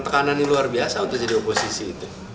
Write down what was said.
tekanan yang luar biasa untuk jadi oposisi itu